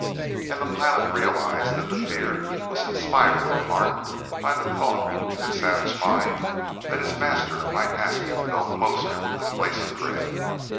And the pilot realized that the fear was inspired in part by the thought in the savage mind that his master might ask him to go closer to the place of dread.